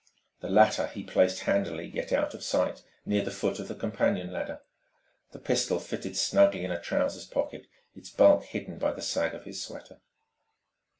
The latter he placed handily, yet out of sight, near the foot of the companion ladder. The pistol fitted snugly a trousers pocket, its bulk hidden by the sag of his sweater....